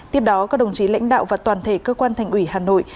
tiếp đó các đồng chí lãnh đạo và toàn thể cơ quan thành ủy hà nội